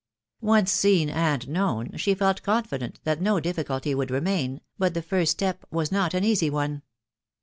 Qaet seen and 'known, she felt confident that no difficulty would remain, but the first step was not an easy one.